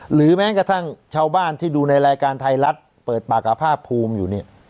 หรือแม้กระทั่งชาวบ้านที่ดูในรายการไทยรัฐเปิดปากกับภาคภูมิอยู่เนี่ย